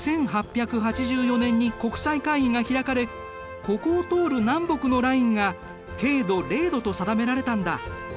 １８８４年に国際会議が開かれここを通る南北のラインが経度０度と定められたんだ。